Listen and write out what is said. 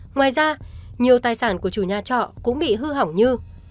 ngoài ra nhiều tài sản của chủ nhà trọ cũng bị hư hỏng như